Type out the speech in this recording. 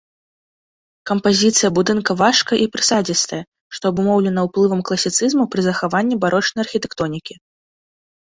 Кампазіцыя будынка важкая і прысадзістая, што абумоўлена ўплывам класіцызму пры захаванні барочнай архітэктонікі.